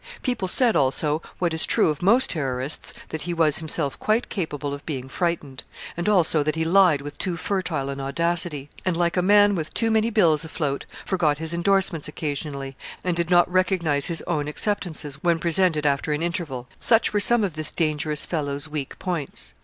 People said also, what is true of most terrorists, that he was himself quite capable of being frightened; and also, that he lied with too fertile an audacity: and, like a man with too many bills afloat, forgot his endorsements occasionally, and did not recognise his own acceptances when presented after an interval. Such were some of this dangerous fellow's weak points.